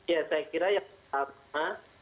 ya saya kira yang pertama